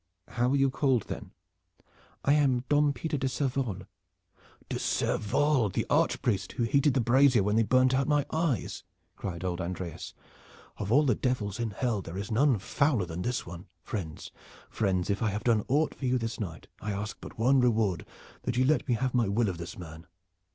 "How are you called then?" "I am Dom Peter de Cervolles." "De Cervolles, the arch priest, he who heated the brazier when they burned out my eyes," cried old Andreas. "Of all the devils in hell there is none fouler than this one. Friends, friends, if I have done aught for you this night, I ask but one reward, that ye let me have my will of this man."